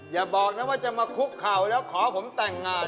อย่าบอกนะว่าจะมาคุกเข่าแล้วขอผมแต่งงาน